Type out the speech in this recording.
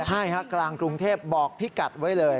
ใช่ฮะกลางกรุงเทพบอกพี่กัดไว้เลย